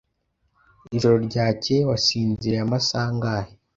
Ijoro ryakeye wasinziriye amasaha angahe?